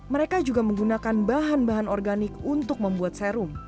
mereka juga menggunakan bahan bahan organik untuk membuat serum